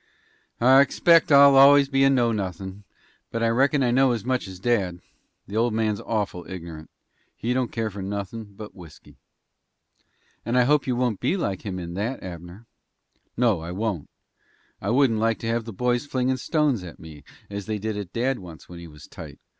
"I expect I'll always be a know nothin', but I reckon I know as much as dad. The old man's awful ignorant. He don't care for nothin' but whisky." "And I hope you won't be like him in that, Abner." "No, I won't. I wouldn't like to have the boys flingin' stones at me, as they did at dad once when he was tight.